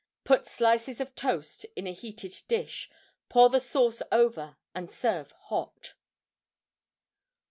Put slices of toast in a heated dish; pour the sauce over and serve hot.